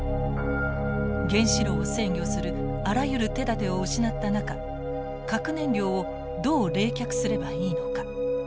原子炉を制御するあらゆる手だてを失った中核燃料をどう冷却すればいいのか。